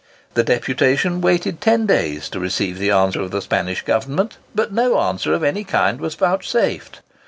The deputation waited ten days to receive the answer of the Spanish Government; but no answer of any kind was vouchsafed.